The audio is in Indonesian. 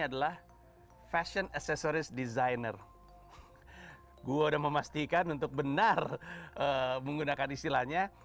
adalah fashion aksesoris designer gue udah memastikan untuk benar menggunakan istilahnya